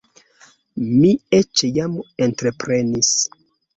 Mi eĉ jam entreprenis.